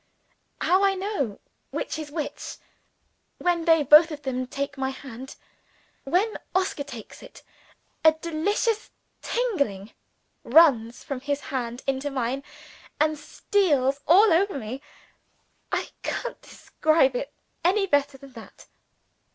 "How I know which is which when they both of them take my hand. When Oscar takes it, a delicious tingle runs from his hand into mine, and steals all over me. I can't describe it any better than that."